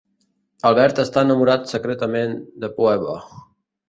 Albert està enamorat secretament de Phoebe.